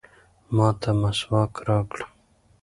ما ته مسواک راکړه.